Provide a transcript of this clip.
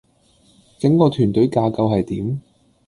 整個團隊架構係點?